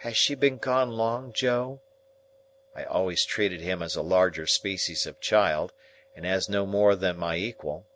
"Has she been gone long, Joe?" I always treated him as a larger species of child, and as no more than my equal.